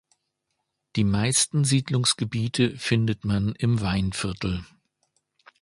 Die meisten Siedlungsgebiete findet man im Weinviertel.